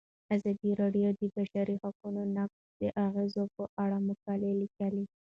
ازادي راډیو د د بشري حقونو نقض د اغیزو په اړه مقالو لیکلي.